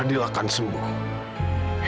fadil akan sembuh